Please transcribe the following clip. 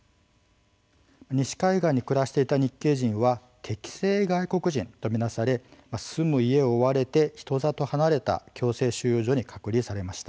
西海岸に暮らしていた日系人は敵性外国人と見なされ住む家を追われて人里離れた強制収容所に隔離されました。